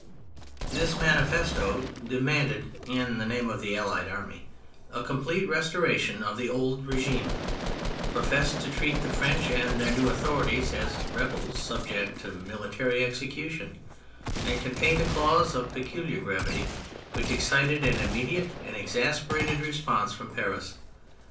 I This manifesto demanded, in the name of the Allied Army, a complete restoration of the old regime, professed to treat the French and their new authorities as rebels subject to military execution, and contained a clause of peculiar gravity, which excited an imme diate and exasperated response from Paris.